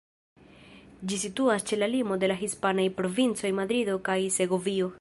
Ĝi situas ĉe la limo de la hispanaj provincoj Madrido kaj Segovio.